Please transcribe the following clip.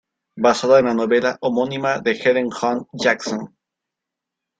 Basada en la novela homónima de Helen Hunt Jackson.